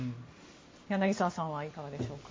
柳澤さんはいかがでしょうか。